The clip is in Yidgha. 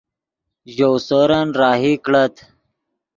ژؤ سورن راہی کڑت